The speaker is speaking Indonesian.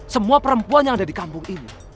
semua perempuan yang ada di kampung ini